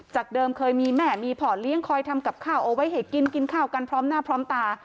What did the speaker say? เดิมเคยมีแม่มีพ่อเลี้ยงคอยทำกับข้าวเอาไว้ให้กินกินข้าวกันพร้อมหน้าพร้อมตา